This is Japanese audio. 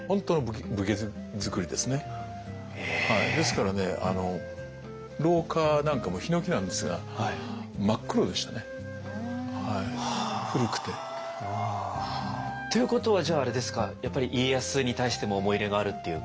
ですからね廊下なんかもヒノキなんですが真っ黒でしたね古くて。ということはじゃああれですかやっぱり家康に対しても思い入れがあるっていうか。